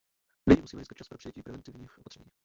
Nyní musíme získat čas pro přijetí preventivních opatření.